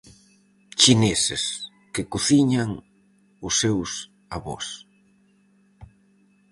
Chineses que cociñan os seus avós.